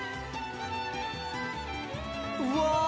うわ！